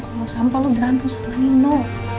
kalau sampah lo berantem sama nino